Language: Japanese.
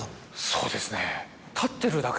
そうですね。